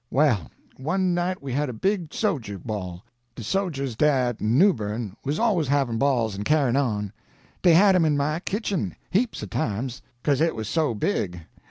"Well, one night we had a big sojer ball; de sojers dah at Newbern was always havin' balls an' carryin' on. Dey had 'em in my kitchen, heaps o' times, 'ca'se it was so big.